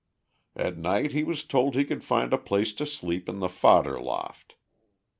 At night he was told he could find a place to sleep in the fodder loft.